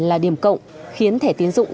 là điểm cộng khiến thẻ tín dụng